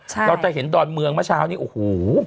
เราจะเห็นดอนเมืองเมื่อเช้านี้โอ้โห